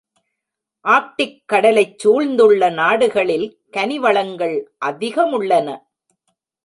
ஆர்க்டிக்கடலைச் சூழ்ந்துள்ள நாடுகளில் கனி வளங்கள் அதிகமுள்ளன.